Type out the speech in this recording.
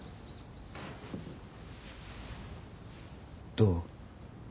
どう？